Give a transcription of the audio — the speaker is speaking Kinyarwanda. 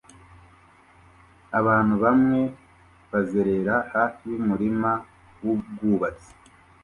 Abantu bamwe bazerera hafi yumurima wubwubatsi